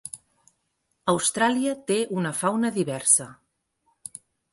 Austràlia té una fauna diversa.